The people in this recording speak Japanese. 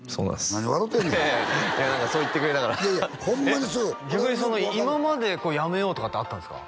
何笑うてんねんいや何かそう言ってくれたから逆に今までやめようとかってあったんですか？